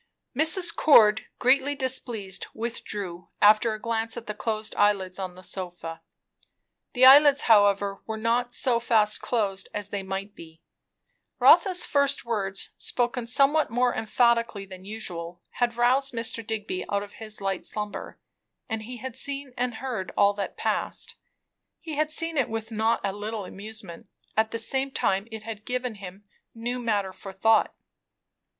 Mrs. Cord greatly displeased, withdrew, after a glance at the closed eyelids on the sofa. The eyelids however were not so fast closed as they might be; Rotha's first words, spoken somewhat more emphatically than usual, had roused Mr. Digby out of his light slumber, and he had seen and heard all that passed. He had seen it with not a little amusement; at the same time it had given him new matter for thought.